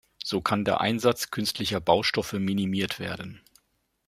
So kann der Einsatz künstlicher Baustoffe minimiert werden.